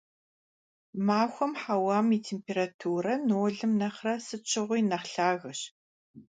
Махуэм хьэуам и температура нолым нэхърэ сыт щыгъуи нэхъ лъагэщ.